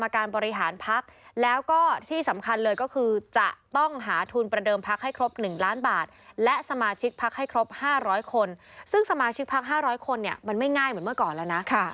๕๐๐คนเนี่ยมันไม่ง่ายเหมือนเมื่อก่อนแล้วนะ